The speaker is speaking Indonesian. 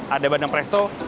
ada bandang presto